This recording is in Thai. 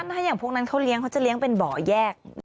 ถ้าอย่างพวกนั้นเขาเลี้ยเขาจะเลี้ยงเป็นบ่อแยก